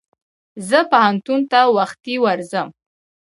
زه پوهنتون ته وختي ورځم.